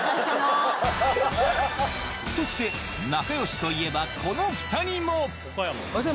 そして、仲よしといえばこの２人も。